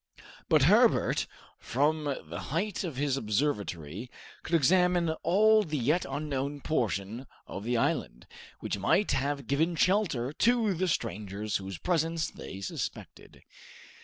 But Herbert, from the height of his observatory, could examine all the yet unknown portion of the island, which might have given shelter to the strangers whose presence they suspected.